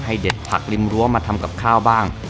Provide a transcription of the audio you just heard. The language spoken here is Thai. เด็ดผักริมรั้วมาทำกับข้าวบ้าง